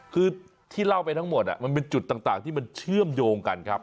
คือที่เล่าไปทั้งหมดมันเป็นจุดต่างที่มันเชื่อมโยงกันครับ